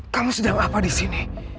kamu sedang apa di sini